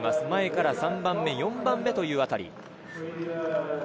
前から３番目、４番目というあたり。